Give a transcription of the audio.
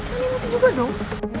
jangan emosi juga dong